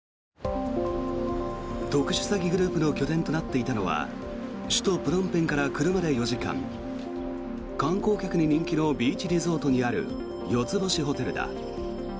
特殊詐欺グループの拠点となっていたのは首都プノンペンから車で４時間観光客に人気のビーチリゾートにある４つ星ホテルだ。